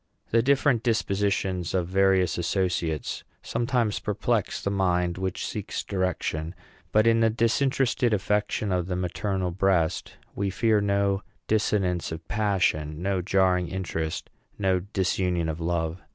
The different dispositions of various associates sometimes perplex the mind which seeks direction; but in the disinterested affection of the maternal breast we fear no dissonance of passion, no jarring interests, no disunion of love.